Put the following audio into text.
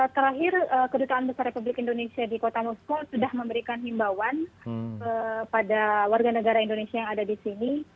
terakhir kedutaan besar republik indonesia di kota moskow sudah memberikan himbauan pada warga negara indonesia yang ada di sini